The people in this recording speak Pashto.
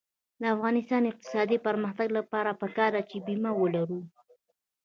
د افغانستان د اقتصادي پرمختګ لپاره پکار ده چې بیمه ولرو.